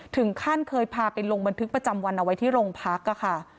ถึงขั้นเคยพาไปลงบันทึกประจำวันเอาไว้ที่โรงพักค่ะ